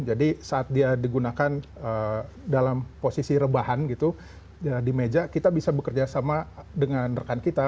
jadi saat dia digunakan dalam posisi rebahan gitu di meja kita bisa bekerja sama dengan rekan kita